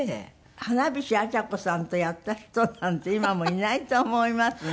花菱アチャコさんとやった人なんて今もういないと思いますね。